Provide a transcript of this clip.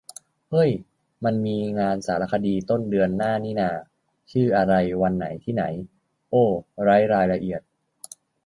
เฮ้ย มันมีงานหนังสารคดี ต้นเดือนหน้านี่นา ชื่ออะไร วันไหน ที่ไหน โอ ไร้รายละเอียด